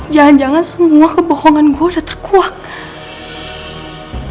jangan jangan semua kebohongan gue udah terkuatnya